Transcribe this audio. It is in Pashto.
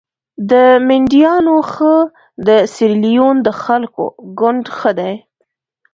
د مینډیانو ښه د سیریلیون د خلکو ګوند ښه دي.